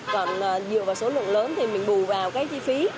còn dựa vào số lượng lớn thì mình bù vào cái chi phí